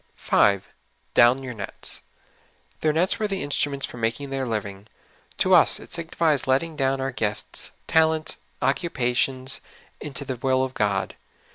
5. ''Down your nets.'' Their nets were the in struments for making their living. To us it signifies letting down our gifts, talents, occupations, into the will of God.